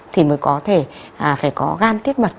thì mới có thể phải có gan tiết mật